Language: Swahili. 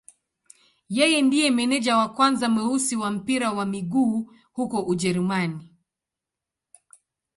Yeye ndiye meneja wa kwanza mweusi wa mpira wa miguu huko Ujerumani.